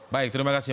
baik terima kasih